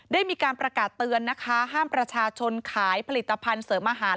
ได้มีการประกาศเตือนนะคะห้ามประชาชนขายผลิตภัณฑ์เสริมอาหาร